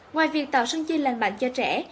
ngoài việc tạo sân chơi lành mạnh cho trẻ